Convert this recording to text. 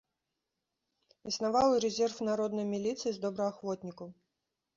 Існаваў і рэзерв народнай міліцыі з добраахвотнікаў.